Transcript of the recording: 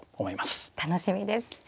楽しみです。